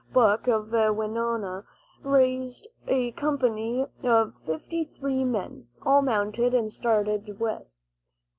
Buck of Winona raised a company of fifty three men, all mounted, and started west.